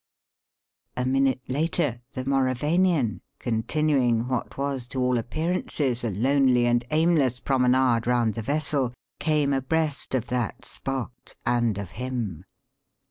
A minute later the Mauravanian, continuing what was to all appearances a lonely and aimless promenade round the vessel, came abreast of that spot and of him.